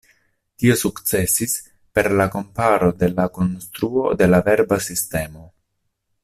Tio sukcesis per la komparo de la konstruo de la verba sistemo.